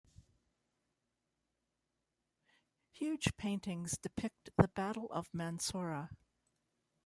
Huge paintings depict the Battle of Mansoura.